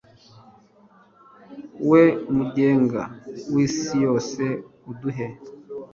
we mugenga w'isi yose uduhe